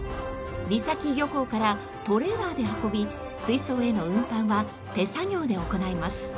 三崎漁港からトレーラーで運び水槽への運搬は手作業で行います。